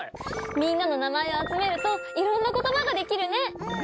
みんなの名前を集めるといろんな言葉ができるね。